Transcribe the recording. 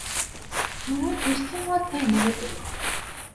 মুনির বৃষ্টির মধ্যেই নেমে গেল।